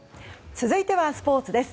続いてはスポーツです。